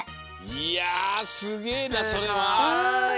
いやすげなそれは。